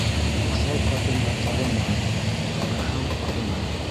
Уҫал ҡатынға тарыма, тарыһаң арыма.